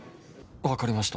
わかりました。